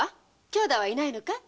兄弟はいないのかい。